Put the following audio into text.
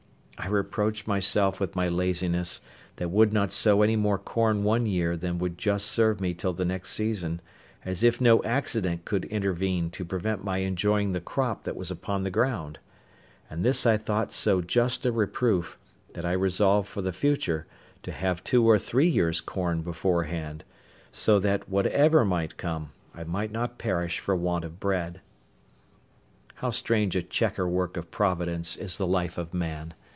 I reproached myself with my laziness, that would not sow any more corn one year than would just serve me till the next season, as if no accident could intervene to prevent my enjoying the crop that was upon the ground; and this I thought so just a reproof, that I resolved for the future to have two or three years' corn beforehand; so that, whatever might come, I might not perish for want of bread. How strange a chequer work of Providence is the life of man!